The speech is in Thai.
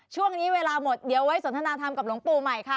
ช่วงเวลาหมดเดี๋ยวไว้สนทนาธรรมกับหลวงปู่ใหม่ค่ะ